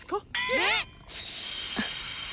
えっ！